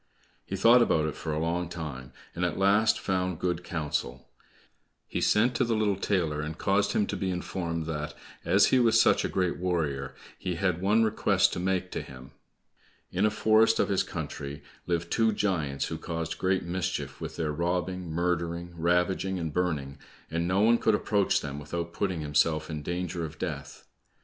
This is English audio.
He thought about it for a long time, and at last found good counsel. He sent to the little tailor and caused him to be informed that as he was such a great warrior, he had one request to make to him. In a forest of his country lived two giants who caused great mischief with their robbing, murdering, ravaging, and burning, and no one could approach them without putting himself in danger of death.